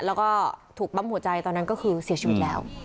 แล้วก็ถูกปั๊มหัวใจตอนนั้นก็คือเสียชีวิตแล้ว